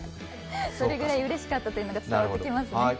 それくらいうれしかったのが伝わってきますね。